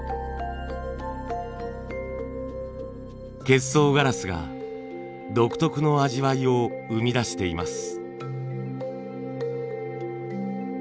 結霜ガラスが独特の味わいを生み出しています。